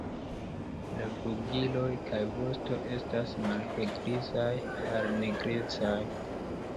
La flugiloj kaj vosto estas malhelgrizaj al nigrecaj.